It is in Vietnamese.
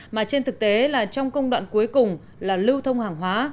mà trên thực tế là trong công đoạn cuối cùng là lưu thông hàng hóa